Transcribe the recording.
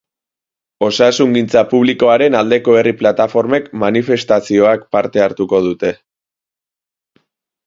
Osasungintza Publikoaren Aldeko herri plataformek manifestazioak parte hartuko dute.